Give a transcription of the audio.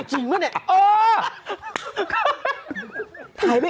จริงมั้โพนี่